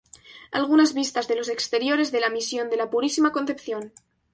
Algunas vistas de los exteriores de la "Misión de La Purísima Concepción".